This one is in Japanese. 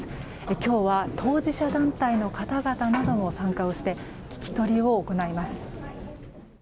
今日は当事者団体の方々なども参加をして聞き取りを行います。